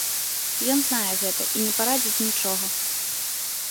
Ён знае гэта і не парадзіць нічога.